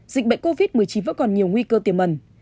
dịch bệnh covid một mươi chín vẫn còn nhiều nguy cơ tiềm ẩn